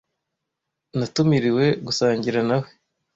Natumiriwe gusangira na we.